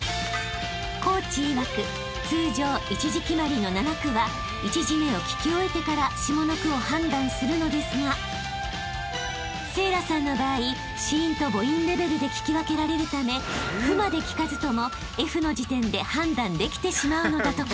［コーチいわく通常１字決まりの７句は１字目を聞き終えてから下の句を判断するのですが聖蘭さんの場合子音と母音レベルで聞き分けられるため「ふ」まで聞かずとも「Ｆ」の時点で判断できてしまうのだとか］